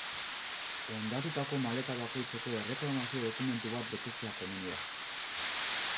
Hondatutako maleta bakoitzeko erreklamazio dokumentu bat betetzea komeni da.